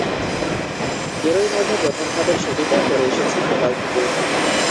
এরই মধ্যে প্রথম ধাপের শুটিংও করে এসেছেন নেপাল থেকে।